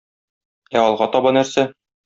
Ә алга таба нәрсә?